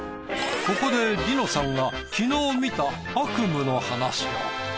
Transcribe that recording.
ここで梨乃さんが昨日見た悪夢の話を。